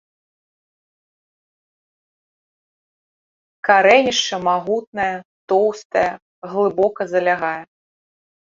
Карэнішча магутнае, тоўстае, глыбока залягае.